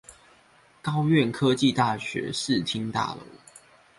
高苑科技大學視聽大樓